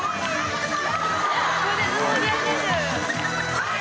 はい！